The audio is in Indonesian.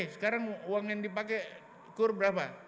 sekarang uang yang dipakai kur berapa